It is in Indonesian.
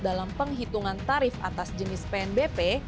dalam penghitungan tarif atas jenis pnbp